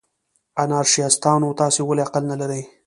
انارشیستانو، تاسې ولې عقل نه لرئ؟